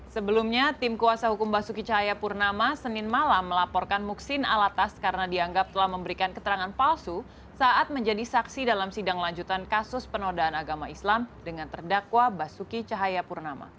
sebelumnya tim kuasa hukum basuki cahayapurnama senin malam melaporkan muksin alatas karena dianggap telah memberikan keterangan palsu saat menjadi saksi dalam sidang lanjutan kasus penodaan agama islam dengan terdakwa basuki cahayapurnama